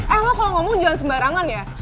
eh lo kalau ngomong jangan sembarangan ya